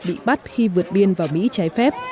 bị bắt khi vượt biên vào mỹ trái phép